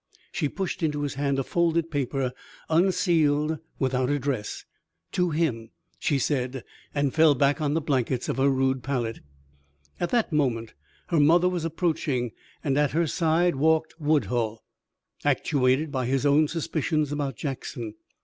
She pushed into his hand a folded paper, unsealed, without address. "To him!" she said, and fell back on the blankets of her rude pallet. At that moment her mother was approaching, and at her side walked Woodhull, actuated by his own suspicions about Jackson.